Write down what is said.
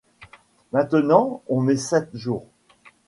Maintenant, on met sept jours.